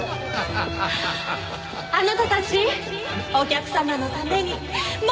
あなたたちお客様のためにもっと舞を！